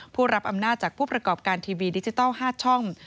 ผู้รับอำนาจจากผู้ประกอบการทีวีดิจิทัล๕ช่อง